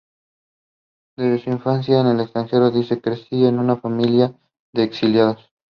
De su infancia en el extranjero, dice: "Crecí en una familia de exiliados.